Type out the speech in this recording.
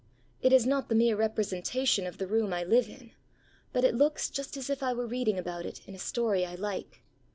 It is not the mere representation of the room I live in, but it looks just as if I were reading about it in a story I like.